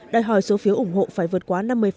đòi hỏi số phiếu ủng hộ phải vượt quá năm mươi